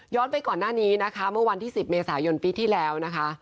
ไปก่อนหน้านี้นะคะเมื่อวันที่๑๐เมษายนปีที่แล้วนะคะ